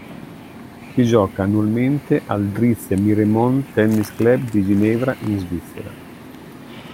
Si gioca annualmente al Drizia-Miremont Tennis Club di Ginevra in Svizzera.